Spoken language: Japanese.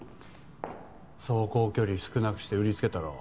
走行距離少なくして売りつけたろ